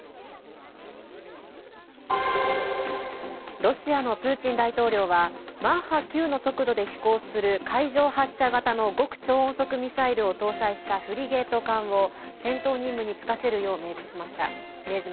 ロシアのプーチン大統領はマッハ９の速度で飛行する海上発射型の極超音速ミサイルを搭載したフリゲート艦を戦闘任務に就かせるよう命じました。